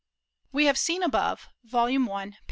We have seen above (Vol. I, p.